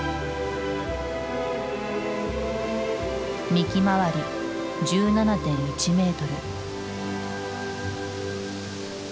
幹周り１７．１メートル。